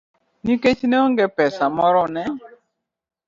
Nikech ne onge pesa moromo, ne